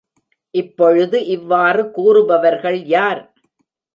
இப்பொழுது, இவ்வாறு கூறுபவர்கள் யார்?